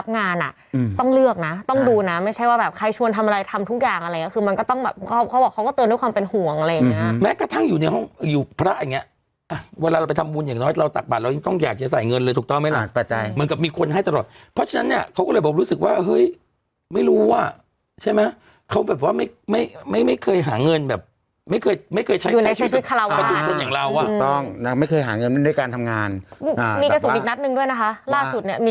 พี่ไม่รู้นะเอาเรื่องธรรมชาติอ้าเรื่องธรรมชาติ